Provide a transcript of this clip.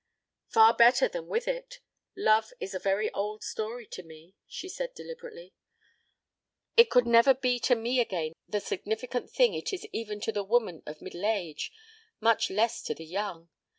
"Far better than with it. Love is a very old story to me," she said deliberately. "It could never be to me again the significant thing it is even to the woman of middle age, much less to the young.